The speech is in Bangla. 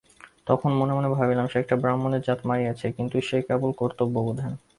তখন মনে মনে ভাবিলাম, একটা ব্রাহ্মণের জাত মারিয়াছি কিন্তু সে কেবল কর্তব্যবোধে।